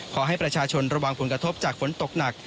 ขอให้ประชาชนระวังผลกระทบจากฝนตกหนัก